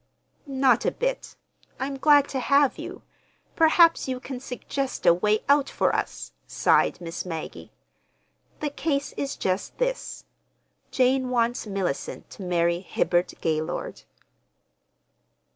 "Not a bit. I'm glad to have you. Perhaps you can suggest—a way out for us," sighed Miss Maggie. "The case is just this: Jane wants Mellicent to marry Hibbard Gaylord."